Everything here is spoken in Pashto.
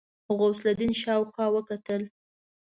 غوث الدين شاوخوا وکتل.